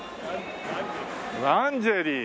ランジェリー。